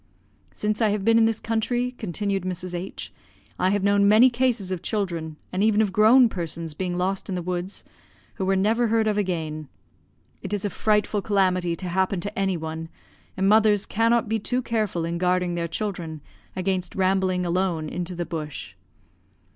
"Since I have been in the country," continued Mrs. H , "I have known many cases of children, and even of grown persons, being lost in the woods, who were never heard of again. It is a frightful calamity to happen to any one, and mothers cannot be too careful in guarding their children against rambling alone into the bush.